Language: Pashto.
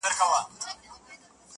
ژوند که ورته غواړې وایه وسوځه؛